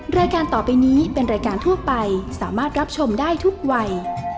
รายการต่อไปนี้เป็นรายการทั่วไปสามารถรับชมได้ทุกวัย